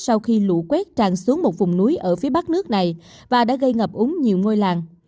sau khi lũ quét tràn xuống một vùng núi ở phía bắc nước này và đã gây ngập úng nhiều ngôi làng